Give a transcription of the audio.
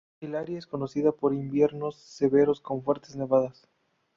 El área es conocida por inviernos severos con fuertes nevadas.